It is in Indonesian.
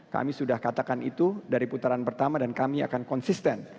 kami sudah katakan itu dari putaran pertama dan kami akan konsisten